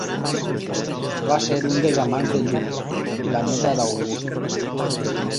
Va ser un dels amants de Júlia, la néta d'August.